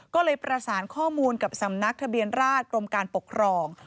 ก็เลยประสานข้อมูลกับสำนักทะเบียนราชกรมการปกครอง